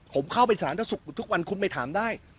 ผมเข้าไปศาลนักศึกษ์ทุกวันคุณไปถามได้